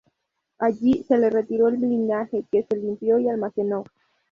Allí, se le retiró el blindaje, que se limpió y almacenó.